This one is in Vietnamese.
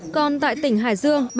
còn tại tỉnh hải dương